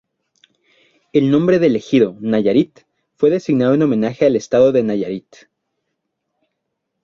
El nombre del ejido Nayarit, fue designado en homenaje al estado de Nayarit.